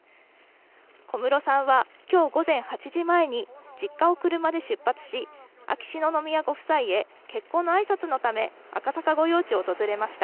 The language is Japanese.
小室さんはきょう午前８時前に、実家を車で出発し、秋篠宮ご夫妻へ結婚のあいさつのため、赤坂御用地を訪れました。